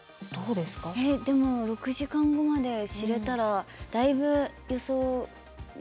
でも６時間後まで知れたらだいぶ予想できます。